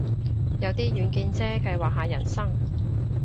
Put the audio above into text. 有啲遠見啫，計劃下人生